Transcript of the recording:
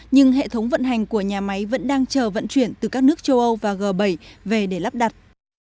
nhưng hệ thống vận hành của nhà máy vẫn đang chờ vận chuyển từ các nước châu âu và g bảy về để lắp đặt